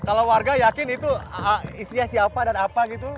kalau warga yakin itu isinya siapa dan apa gitu